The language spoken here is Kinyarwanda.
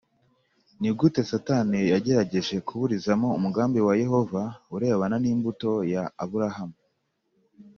Ni Gute Satani Yagerageje Kuburizamo Umugambi Wa Yehova Urebana N Imbuto Ya Aburahamu